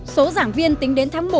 số giảng viên tính đến tháng một